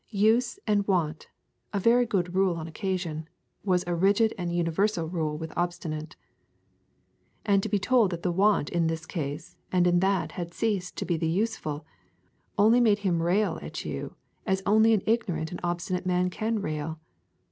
Use and wont, a very good rule on occasion, was a rigid and a universal rule with Obstinate. And to be told that the wont in this case and in that had ceased to be the useful, only made him rail at you as only an ignorant and an obstinate man can rail.